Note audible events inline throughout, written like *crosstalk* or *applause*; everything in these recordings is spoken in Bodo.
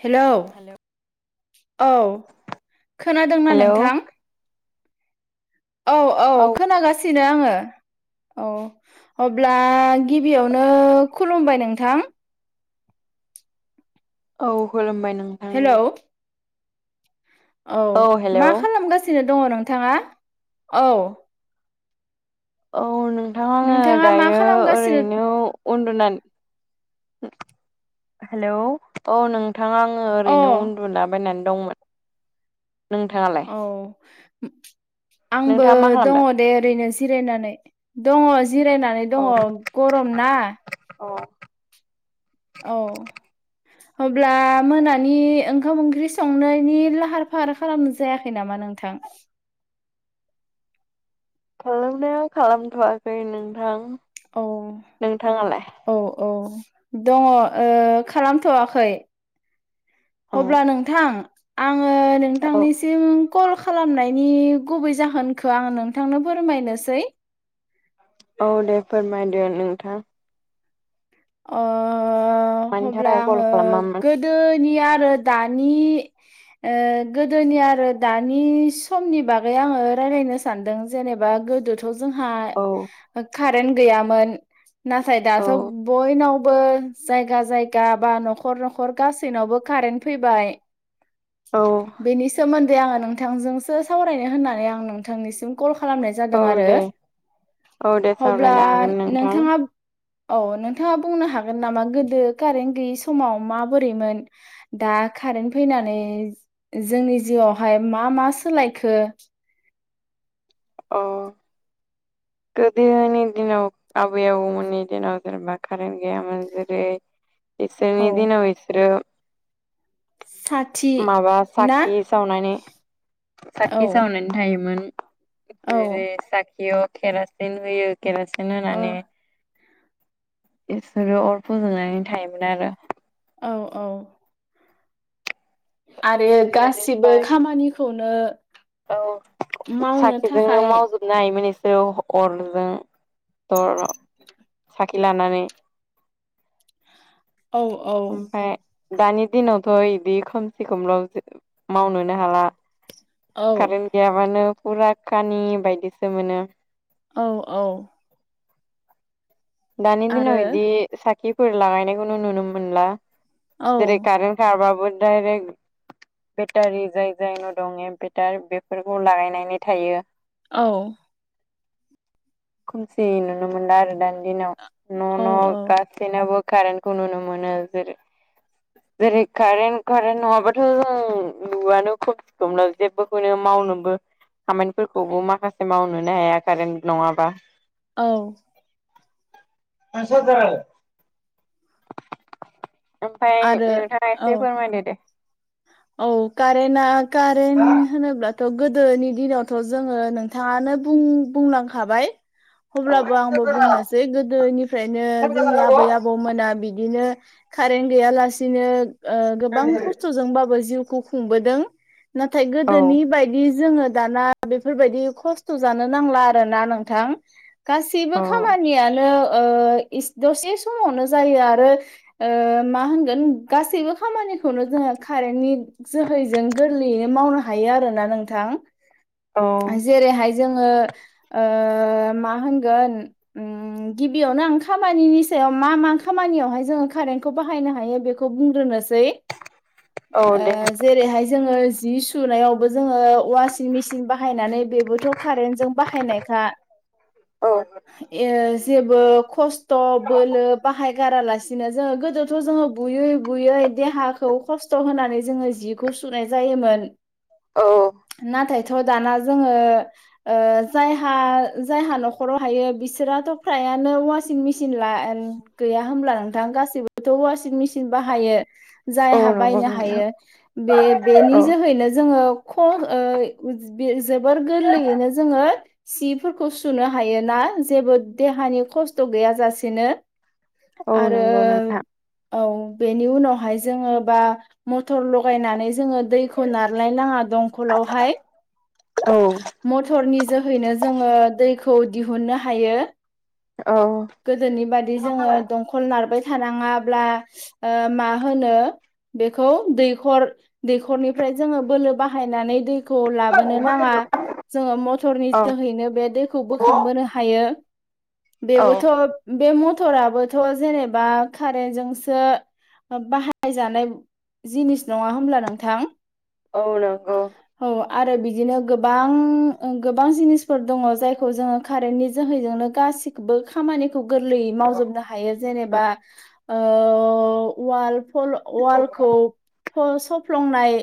हेलौ औ खोनादोंना हेलौ नोंथां औ औ खोनागासिनो आङो औ अब्ला गिबियावनो खुलुमबाय नोंथां औ खुलुमबाय नों हेल' औ मा खालामगासिनो दङ नोंथाङा औ औ नोंथां आङो नोंथाङा मा दायो खालामगासिनो ओरैनो उन्दुना हेलौ औ नों नोंथाङा आङो अ ओरैनो उन्दुना बायनानै दंमोन नोंथाङालाय औ आंबो नोंथाङा मा दङ खालामदों? दे ओरैनो जिरायनानै दङ जिरायनानै औ दङ गरम ना अ औ अब्ला मोनानि ओंखाम ओंख्रि संनायनि लाहार फाहार खालामनो जायाखै नामा नों नोंथां ओरैनो खालामथ'वाखै नोंथां औ नोंथांङालाय औ औ दंङो खालामथ'वाखै। औ अब्ला नोंथां आंङो नोंथांनिसिम कल खालामनायनि गुबै जाहोनखौ आं नोंथांनो फोरमायनोसै औ दे फोरमायदो नोंथां। मानि हब्ला थाखाय कल आंङो खालामामोन गोदोनि आरो दानि ओ गोदोनि आरो दानि समनि बागै आंङो रायजलायनो सानदों जेनेबा गोदोथ' जोंहा औ कारेन गैयामोन नाथाय औ दाथ' बयनावबो जायगा जायगा बा न'खर न'खर गासैनावबो कारेन्ट फैबाय औ बेनि सोमोन्दै नोंथांजोंसो सावरायनो होननानै आं नोंथांनिसिम कल खालामनाय जादों औ आरो दे औ दे अब्ला सावरायनो हागोन नोंथां नोंथाङा औ नोंथांङा बुंनो हागोन नामा गोदो कारेन्ट गैयि समाव माबोरैमोन दा कारेन्ट फैनानै जोंनि जिउआवहाय मा मा सोलायखो अ गोदोनि दिनाव आबै आबौमोननि दिनाव जेनेबा कारेन्ट गैयामोन जेरै औ इसोरनि दिनाव इसोर साथि माबा ना साखि सावनानै औ साखि सावनायनि थायोमोन औ जेरै साखियाव केरसिन होयो केरासिन बि औ होनानै बिसोरो अर फोजोबनानै थायोमोन आरो औ औ आरो गासिबो बेनिफ्राय खामानिखौनो औ मावनो साखिजोंनो थाखाय मावजोब नायोमोन बिसोरो अरजों अर साखि लानानै औ औ ओमफफ्राय दानि दिनावथ' बिदि खोमसि खोमलाव मावनोनो हाला औ कारेन्ट गैयाबानो फुरा खानि बायदिसो मोनो औ औ दानि दिनाव आरो बिदि साखिफोर लागायनायखौनो नुनो मोनला जेरै औ कारेन्ट खारबाबो डायरेक्ट बेटारि जाय जायन' दं इमबेटार बेफोरखौ लागायनानै थायो औ खोमसि नुनो मोनो आरो दानि दिनाव न' औ न' औ गा सैनावबो कारेन्टखौ नुनो मोनो जेरै जेरै कारेन्ट कारेन्ट नंङाबाथ' जों नुवानो खोमलाव जेबोखौनो मावनोबो खामानिफोरखौबो माखासे मावनोनो हाया कारेन्ट नंङाबा औ *unintelligible* ओमफ्राय आरो नोंथांङा औ एसे फोरमायदो दे। औ कारेनआ हा कारेन्ट होनोब्ला थ' गोदोनि दिनावथ' जोंङो नोंथांङानो बुं बुंलांखाबाय अब्लाबो आंबो बुंनोसै गोदोनिफ्रायनो जोंनि आबै आबौ आब मोना बिदिनो कारेनट गैयालासैन गोबां खस्थ' जोंबा जिउखौ खुंबोदों नाथाय औ गोदोनि बायदि बिदि जोंङो दाना बेफोरबायदि खस्थ' जानो नांला आरोना नोंथां। गासैबो औ खामानियानो दसे समावनो जायो आरो मा होनगोन गासैबो खामानिखौनो जोंङो कारेन्टनि जोहैजों गोरलैयैनो मावनो हायो आरोना नोंथां औ जेरैहाय जोङो मा होनगोन गिबियावनो आं खामानिनि सायाव मा मा खामानियावहाय जोङो कारेन्टखौ बाहायनो हायो बेखौ खौ बुंग्रोनोसै औ दे ओ जेरैहाय जोङो जि सुनायावबो जोङो वासिं मेसिन बाहायनानै बेबोथ' कारेनजों बाहायनायखा औ जेबो खस त' बोलो बाहाय गारा ला बिदिनो जोङो गोदोथ' जोङो बुयै बुयै देहाखौ खस्थ' खस्थ होनानै जोङो जिखौ सुनाय जायोमोन औ थ' दाना जोङो जायहा जायहा न'खराव हायो बिसोराथ' फ्रायानो वासिं मेचिन ला गैया होनब्ला नोंथां गासिबोथ' वासिं मेचिन बाहायो जाय औ नंगौ बायनो नोंथां हायो बे बेनि औ जोहैनो जोङो जोबोर गोरलैयैनो जोङो सिफोरखौ सुनो हायोना जेबो देहानि खस्थ' गैयाजासेनो औ आरो नंगौ नोंथां औ बेनि उनावहाय जोङो बा मथर लगायनानै जोङो दैखौ नारलायनााङा दंखलावहाय औ मटरनि जोहैनो जोङो दैखौ दिहुननो हायो। औ। गोदोनि बादि जोङो औ दंखल नारबाय थानाङाब्ला मा होनो बेखौ दैखर दैखरनिफ्राय जोङो बोलो बाहायनानै दैखौ लाबो नाङा जोङो मथरनि जोहैनो बे दैखौ बोखांबोनो हायो। बेबोथ' बे मथराबोथ' जेनेबा कारेन्जोंसो बाहायजानाय जिनिस नङा होमब्ला नोंथां। औ नंगौ। औ आरो बिदिनो गोबां गोबां जिनिसफोर दङ जायखौ जोङो कारेन्टनि जोहैजोंनो गासिखौबो खामानिखौ गोरलैयै मावजोबनो हायो जेनेबा वाल वालखौ सफ्लंनाय।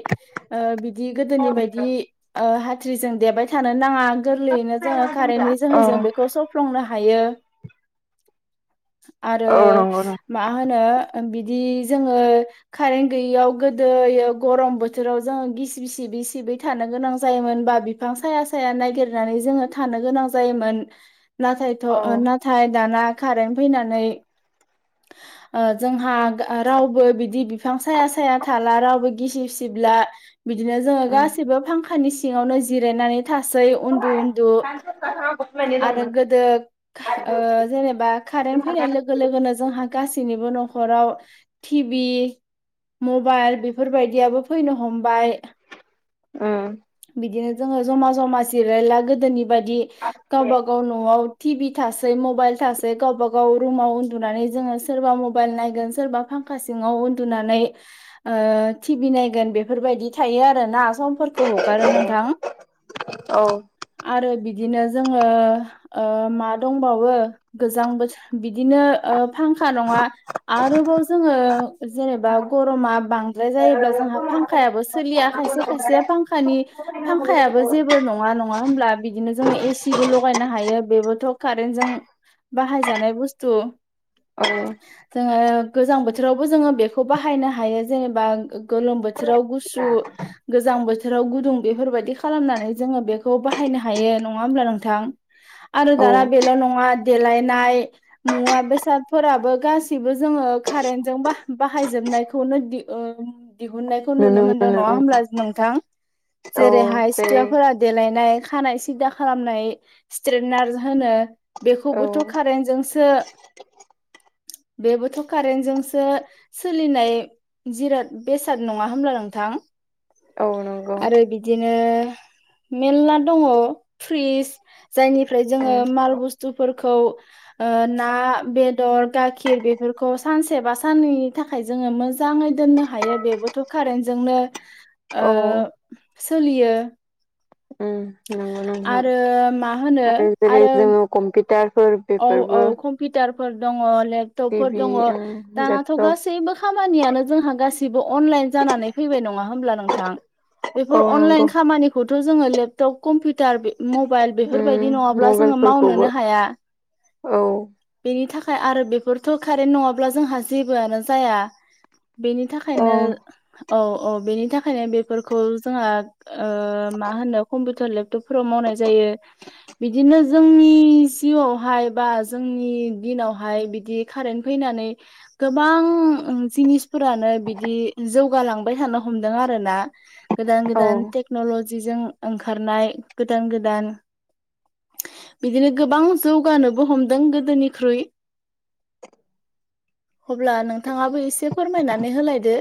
बिदि गोदोनि बायदि हाथ्रिजों देबाय थानो नाङा गोरलैयैनो जोङो कारेन्टनि जोहै जों औ बेखौ सौफ्लंनो हायो। आरो औ नंगौ नों मा होनो बिदि जोङो कारेन्ट गैयियाव गोदो गरम बोथोराव जोङो गिसिब सिबै सिबै थानो गोनां जायोमोनबा। बिफां साया साया नायगिरनानै जोङो थानो गोनां जायोमोन औ नाथायथ'। नाथाय दाना कारेन्ट फैनानै जोंहा रावबो बिदि बिफां साया साया थाला रावबो गिसिब सिबला। बिदिनो जोङो उम गासैबो फांखानि सिङावनो जिरायनानै। थासै उन्दु उन्दु आरो गोदो जेनेबा कारेन्ट फैनाय लोगो लोगो लोगोनो जोंहा गासैनिबो न'खराव टि भि मबाइल बेफोरबायदियाबो फैनो हमबाय। उम। बिदिनो जोङो जमा जमा जिरायला गोदोनि बायदि गावबा गाव न'आव टि भि थासै मबाइल थासै गावबा गाव रुमाव उदुनानै जोङो सोरबा मबाइल नायगोन सोरबा फाखां सिङाव उन्दुनानै टि भि नायगोन बेफोरबायदि थायो आरोना सम खौ हगारो नोंथां। आरो बिदिनो जोङो मा दंबावो गोजां बोथोर बिदिनो फांखा नङा आरोबाव जोङो जेनेबा गरमा बांद्राय जायोब्ला जोंहा फांखायाबो सोलिया खायसे खाय खायसेया फांखानि फांखायाबो जेबो नङा नङा हब्ला बिदिनो जोङो एसिबो लगायनो हायो बेबोथ' कारेन्ट जों बाहायजानाय बुस्थु औ औ जोङो गोजां बोथोरावबो जोङो बेखौ बाहायनो हायो जेनेबा गोलोम बोथोराव गुसु गोजां बोथोराव गुदुं बेफोरबायदि खालामनानै जोङो बेखौ बाहायनो हायो नङा हब्ला नोंथां आरो औ दाना बेल' नङा देलायनाय मुवा बेसादफोराबो गासिबो जोङो कारेन्टजों बाहायजोबनायखौनो दिहुननायखौ नुनो मोनदों नङा होनोमब्ला नोंथां ओं औ जेरैहाय जेरै सिख्लाफोरा देलायनाय खानाय सिद्दा खालामनाय स्ट्रेटनार होनो औ बेखौबोथ' कारेन्ट जोंसो बेबोथ' कारन्टजोंसो सोलिनाय जिराद बेसाद नङा होमब्ला नोंथां औ नंगौ आरो बिदिनो मेरला दङ फ्रिज जायनिफ्राय जोङो उम माल बुस्थुफोरखौ ना बेदर गाखिर बेफोरखौ सानसे बा साननैनि थाखाय थाखाय जोङो मोजाङै दोननो हायो बेबोथ' कारेन्टजोंनो औ ओ सोलियो उम नंगौ नोंथां आरो मा होनो जेरै आरो जोङो कम्पिउटारफोर औ बेफोरबो औ कम्पिउटारफोर दङ लेपटपफोर टिभि दङ उम दानाथ' लेपटप गासैबो खामानियानो जोंहा गासिबो अनलाइन जानानै फैबाय नङा होमब्ला नोंथां औ बेफोर नंगौ अनलाइन खामानिखौथ' जोङो लेपटप कम्पिउटार मबाइल बेफोरबायदि उम नङाब्ला जोङो मबाइलफोरखौबो मावनोनो हाया औ बेनि थाखाय आरो बेफोरथ' कारेन्ट नङाब्ला जोंहा जेबोआनो जाया बेनि औ थाखायनो औ औ बेनि थाखायनो बेफोरखौ जोंहा ओ मा होनो कम्पिउटार लेपटपफोराव मावनाय जायो बिदिनो जोंनि जिउआवहाय बा जोंनि दिनावहाय बिदि कारेन्ट फैनानै गोबां जिनिस फोरानो बिदि जौगालांबाय थानो हमदों आरो ना गोदान औ गोदान टे टेक्नलजिजों ओंखारनाय गोदान गोदान बिदिनो गोबां जौगानोबो हमदों गोदोनिख्रुइ *inaudible* अब्ला नोंथाङाबो एसे फोरमायनानै होलायदो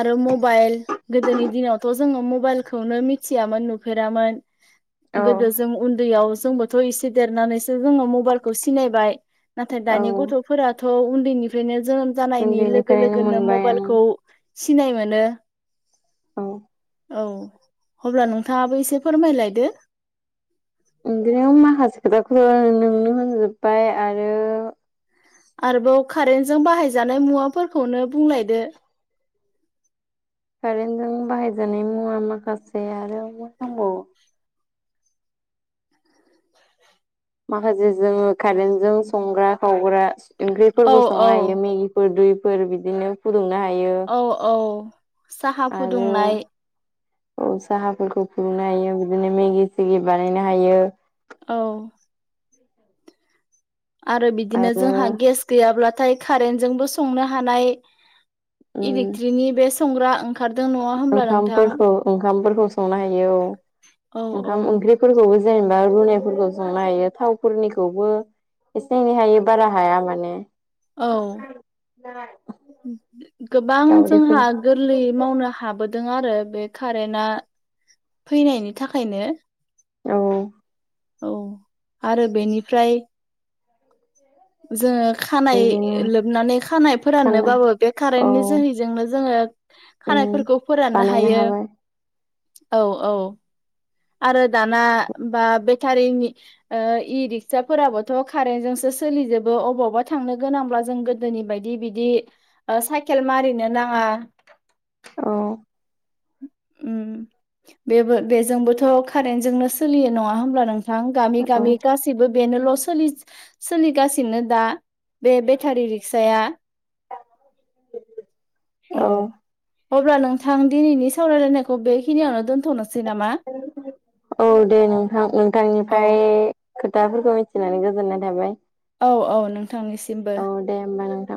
आरो मबाइल गोदोनि दिनावथ' जोङो मबाइलखौनो मिथियामोन नुफेरामोन औ गोदो जों उन्दैयाव जोंबोथ' एसे देरनानैसो जोङो मबाइलखौ सिनायबाय नाथाय औ दानि गथ'फोराथ' उन्दैनिफ्रायनो जोनोम जानायनि लोगो उन्दैनिफ्रायनो लोगोनो मोनबाय आं मबाइलखौ सिनाय मोनो औ औ अब्ला नोंथाङाबो एसे फोरमायलायदो ओंख्रियाव माखासे खोथाखौ नोंनो होनजोब्बाय आरो आरोबाव कारेन्टजों बाहायजानाय मुवाफोरखौनो बुंलायदो कारेन्टजों बाहायजानाय मुवा माखासे आरो मा दंबावो माखासे जोङो कारेेनजोङो संग्रा खावग्रा औ ओंख्रिफोरबो सङनो औ हायो मेगि फोर दैफोर बिदिनो फुदुंनो हायो औ औ साहा आरो फुदुंनाय औ साहाफोरखौ फुदुंनो हायो बिदिनो मेगि सिगि बानायनो हायो औ आरो बिदिनो आरो जोंहा गेस गैयाब्लाथाय कारेन्टजोंोंबो संनो हानाय इलेक्ट्रिकनि बे संग्रा ओंखाम ओंखामफोरखौ ओंखामफोरखौ संनो हायो औ। औ औ ओंखाम ओंख्रि फोरखौबो जेनेबा रुनायफोरखौ संनो हायो थावफोरनिखौबो एसे एनै हायो बारा हाया माने। औ। गोबां दावदैफोर जोंहा गोरलैयै मावनो हाबोदों आरो बे कारेन्टआ फैनायनि थाखायनो औ औ आरो बेनिफ्राय जोङो खानाय बिदिनो लोबनानै खानाय खाना फोराननोबाबो बे औ कारेन्टनि जोहैजोंनो जोङो खानायफोरखौ फोराननो बानायनो हायो हाबाय औ औ आरो दाना बा बेटारिनि इ रिक्साफोराबोथ' कारेन्ट जोंसो सोलिजोबो अबावबा थांनो गोनांब्ला जों गोदोनि बायदि बिदि साइकेल मारिनो नाङा। औ। बेबो बेजोंबोथ' कारेन्टजोंनो सोलियो नङा होमब्ला नों थां गामि औ गामि गासिबो बेनोल' सोलिगासिनो दा। बे बेटारि रिक्साया औ। अब्ला नोंथां दिनैनि सावरायलायनायखौ बेखिनियावनो दोन्थ'नोसै नामा? औ दे नोंथां। औ नोंथांनिफ्राय खोथाफोरखौ मिथिनानै गोजोननाय थाबाय। औ औ नोंथांनिसिमबो। औ दे होमबा नोंथां